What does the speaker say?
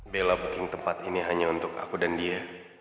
bela booking tempat ini hanya untuk aku dan dia